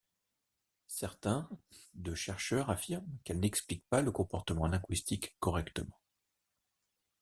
Certains de chercheurs affirment qu'elle n'explique pas le comportement linguistique correctement.